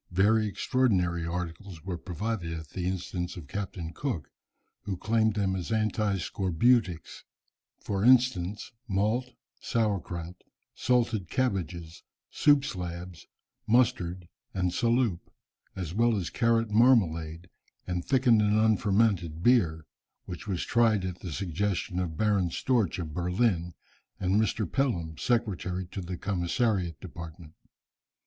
Very extraordinary articles were provided at the instance of Captain Cook, who claimed them as anti scorbutics, for instance, malt, sour krout, salted cabbages, soup slabs, mustard and saloop, as well as carrot marmalade, and thickened and unfermented beer, which was tried at the suggestion of Baron Storch of Berlin, and Mr. Pelham, secretary to the Commissariat department.